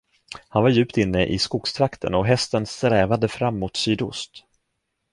Han var djupt inne i skogstrakten, och hästen strävade fram mot sydost.